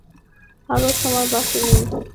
আর সময় বাকি নেই।